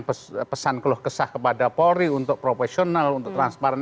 pesan keluh kesah kepada polri untuk profesional untuk transparan